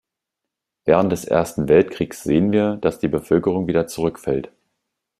Während des Ersten Weltkriegs sehen wir, dass die Bevölkerung wieder zurückfällt.